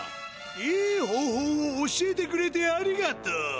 いいほうほうを教えてくれてありがとう！